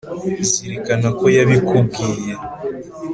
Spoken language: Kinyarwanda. zirikana ko yabikubwiye